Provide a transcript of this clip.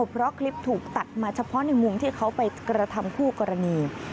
เพราะคลิปถูกตัดมาเฉพาะในมุมที่เขาไปกระทำคู่กรณี